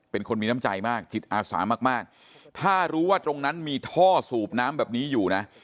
เป็นคนมีน้ำใจมากจิตอาสามากมากถ้ารู้ว่าตรงนั้นมีท่อสูบน้ำแบบนี้อยู่นะ